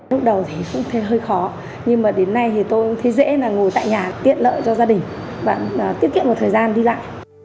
lúc đầu thì hơi khó nhưng đến nay tôi thấy dễ ngồi tại nhà tiện lợi cho gia đình tiết kiệm thời gian đi lại